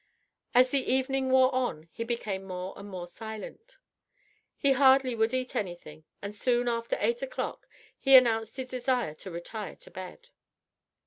As the evening wore on he became more and more silent; he hardly would eat anything and soon after eight o'clock he announced his desire to retire to bed.